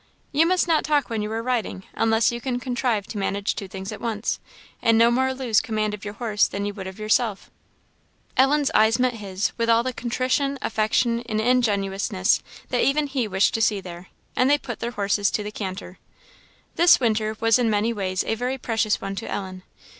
"You must not talk when you are riding, unless you can contrive to manage two things at once; and no more lose command of your horse than you would of yourself." Ellen's eye met his, with all the contrition, affection, and ingenuousness that even he wished to see there; and they put their horses to the canter. This winter was in many ways a very precious one to Ellen.